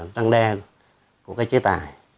tăng đe của cái chế tài